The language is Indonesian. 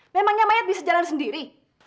memangnya mayat bisa jalan sendiri